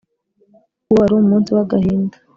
uwo waru munsi wagahinda